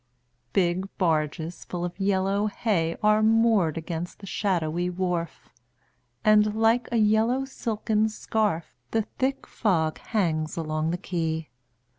Big barges full of yellow hay Are moored against the shadowy wharf, And, like a yellow silken scarf, The thick fog hangs along the quay.